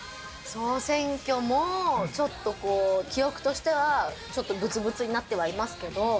総選挙も、ちょっとこう、記憶としてはちょっとぶつぶつになってはいますけど。